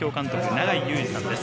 永井祐司さんです。